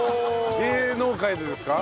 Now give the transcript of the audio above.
芸能界でですか？